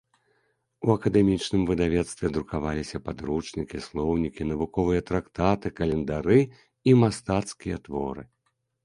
У акадэмічным выдавецтве друкаваліся падручнікі, слоўнікі, навуковыя трактаты, календары і мастацкія творы.